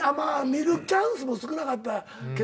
見るチャンスも少なかったけども。